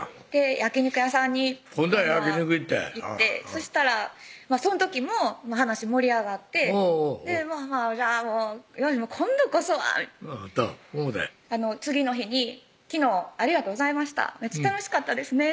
焼き肉屋さんに今度は焼き肉行って行ってそしたらその時も話盛り上がってじゃあもう今度こそはと思て次の日に「昨日ありがとうございました」「めっちゃ楽しかったですね